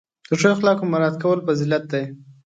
د ښو اخلاقو مراعت کول فضیلت دی.